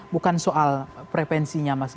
bukan soal frevensinya mas gatil